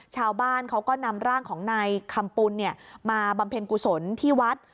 ชาวบ้านเขาก็นำร่างของนายคำปุ่นมาบำเพ็ญกุศลที่วัด